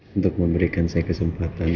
untuk memberikan saya kesempatan